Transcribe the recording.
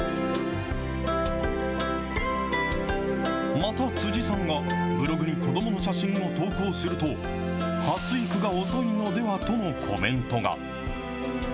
また辻さんが、ブログに子どもの写真を投稿すると、発育が遅いのではとのコメントが。